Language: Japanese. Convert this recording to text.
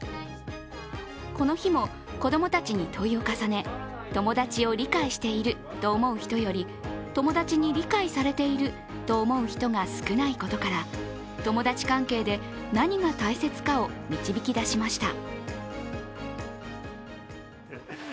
この日も子供たちに問いを重ね友達を理解していると思う人より友達に理解されていると思う人が少ないことから友達関係で、何が大切かを導き出しました。